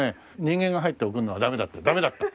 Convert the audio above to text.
「人間が入って送るのはダメだ」ってダメだった。